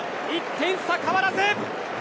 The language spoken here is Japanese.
１点差、変わらず！